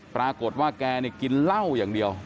ปรากฏว่าแกกินเหล้าอย่างเดียว